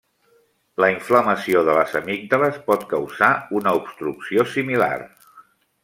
La inflamació de les amígdales pot causar una obstrucció similar.